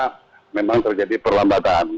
karena memang terjadi perlambatan